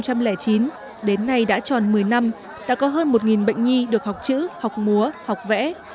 lớp học đặc biệt này được khởi nguồn từ năm hai nghìn chín đến nay đã tròn một mươi năm đã có hơn một bệnh nhi được học chữ học múa học vẽ